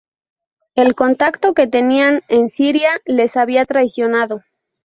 El contacto que tenían en Siria les había traicionado.